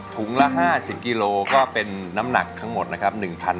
ละ๕๐กิโลก็เป็นน้ำหนักทั้งหมดนะครับ